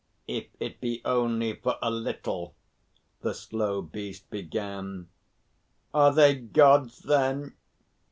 "If it be only for a little," the slow beast began. "Are they Gods, then?"